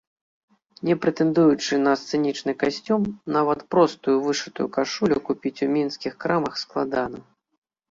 Не прэтэндуючы на сцэнічны касцюм, нават простую вышытую кашулю купіць у мінскіх крамах складана.